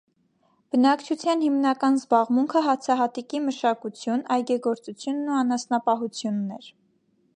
Բնակչության հիմնական զբաղմունքը հացահատիկի մշակություն, այգեգործությունն ու անասնապահությունն էր։